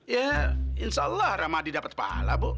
ya insya allah ramadi dapat pahala bu